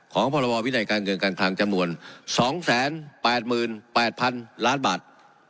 ของภาระบาลวินัยการเงินการทางจำนวน๒๘๘๐๐๐ล้านบาท